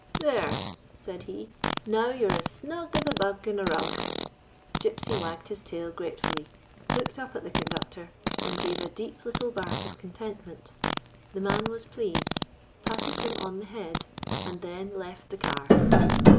" There," said he, " now you 're as snug as a bug in a rug !" Gypsy wagged his tail gratefully, looked up at the conductor, and gave a deep little bark of contentment. The man was pleased, patted him on the head, and then left the car.